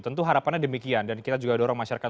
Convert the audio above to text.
tentu harapannya demikian dan kita juga dorong masyarakat